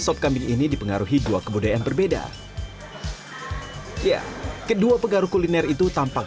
sop kambing ini dipengaruhi dua kebudayaan berbeda ya kedua pengaruh kuliner itu tampak